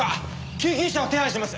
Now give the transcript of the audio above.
救急車を手配します。